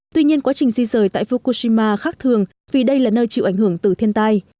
tuy nhiên quá trình di rời tại fukushima khác thường vì đây là nơi chịu ảnh hưởng từ thiên tai